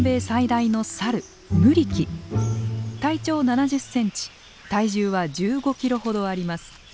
体長７０センチ体重は１５キロほどあります。